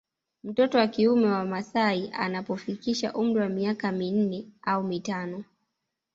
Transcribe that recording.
Mtoto wa kiume wa maasai anapofikisha umri wa miaka minne au mitano